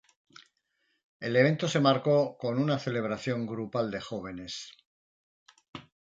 El evento se marcó con una celebración grupal de jóvenes.